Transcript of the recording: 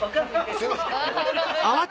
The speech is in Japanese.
すいません！